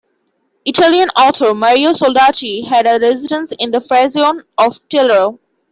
Italian author Mario Soldati had a residence in the "frazione" of Tellaro.